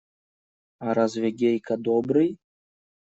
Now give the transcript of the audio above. А разве Гейка добрый?